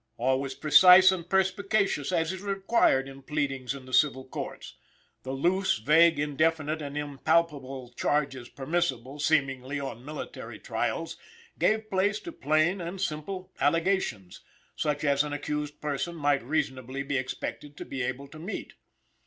All was precise and perspicacious, as is required in pleadings in the civil courts. The loose, vague, indefinite and impalpable charges permissible, seemingly, on military trials, gave place to plain and simple allegations, such as an accused person might reasonably be expected to be able to meet.